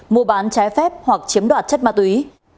mua bán trái phép hoặc chiếm đoạt chất ma túy